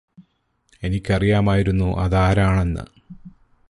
എനിക്കറിയാമായിരുന്നു അതാരാണെന്ന്